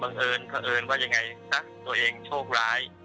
บังเอิญเพราะเอิญว่ายังไงตัวเองโชคร้าย